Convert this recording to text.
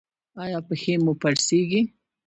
ایا پښې مو پړسیږي؟